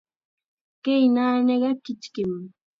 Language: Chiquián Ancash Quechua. Kay naaniqa kichkim.